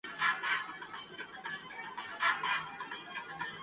لوگوں کو بات کر نے دیں اگر اس میں وزن نہیں ہو گا۔